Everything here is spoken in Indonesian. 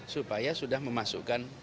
supaya sudah memasukkan